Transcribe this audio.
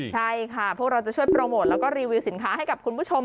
ใช่ค่ะพวกเราจะช่วยโปรโมทแล้วก็รีวิวสินค้าให้กับคุณผู้ชม